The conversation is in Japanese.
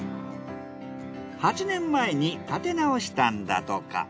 ８年前に建て直したんだとか。